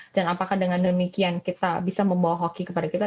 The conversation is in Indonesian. dan apakah dengan demikian kita bisa membawa hoki kepada kita